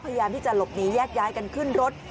พยายามที่จะหลบหนีแยกย้ายกันขึ้นรถ